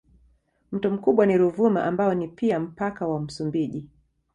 Mto mkubwa ni Ruvuma ambao ni pia mpaka wa Msumbiji.